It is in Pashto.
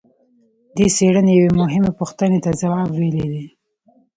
دې څېړنې یوې مهمې پوښتنې ته ځواب ویلی دی.